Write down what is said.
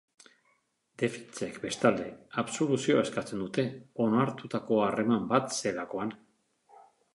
Defentsek, bestalde, absoluzioa eskatzen dute, onartutako harreman bat zelakoan.